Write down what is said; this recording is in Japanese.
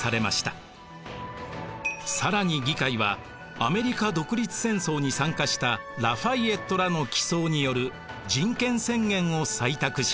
更に議会はアメリカ独立戦争に参加したラ・ファイエットらの起草による人権宣言を採択しました。